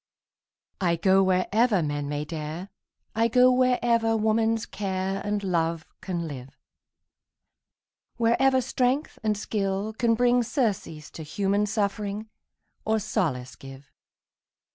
I go wherever men may dare, I go wherever woman's care And love can live, Wherever strength and skill can bring Surcease to human suffering, Or solace give.